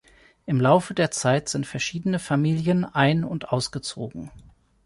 Im Laufe der Zeit sind verschiedene Familien ein- und ausgezogen.